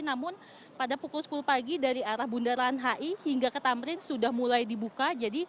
namun pada pukul sepuluh pagi dari arah bundaran hi hingga ke tamrin sudah mulai dibuka